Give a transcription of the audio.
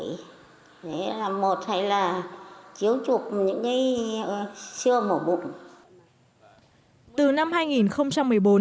đấy là một hay là chiếu chụp những cái xưa mổ bụng